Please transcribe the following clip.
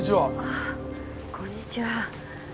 あこんにちは。